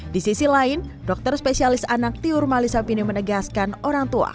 di sisi lain dokter spesialis anak tiur malisapini menegaskan orang tua